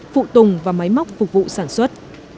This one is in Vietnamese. phụ tùng và máy móc phục vụ sản xuất